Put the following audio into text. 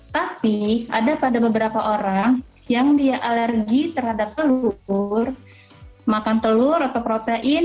tapi ada pada beberapa orang yang dia alergi terhadap telur makan telur atau protein